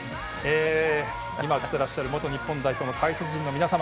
今、映っていらっしゃる元日本代表の解説陣の皆様